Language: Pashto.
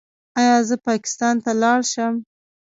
ایا زه پاکستان ته لاړ شم؟